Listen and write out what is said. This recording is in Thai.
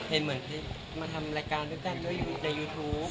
เห็นเหมือนที่มาทำรายการด้วยกันในยูทูป